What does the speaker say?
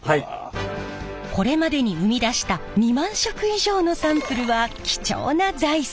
これまでに生み出した２万色以上のサンプルは貴重な財産。